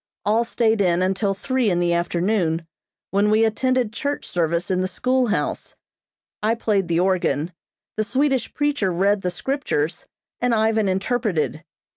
All stayed in until three in the afternoon, when we attended church service in the schoolhouse. I played the organ, the Swedish preacher read the Scriptures, and Ivan interpreted.